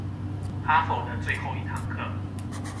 哈佛的最後一堂課